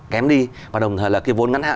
kém đi và đồng thời là cái vốn ngắn hạn